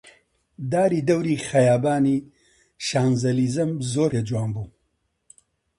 داری دەوری خەیابانی شانزەلیزەم زۆر پێ جوان بوو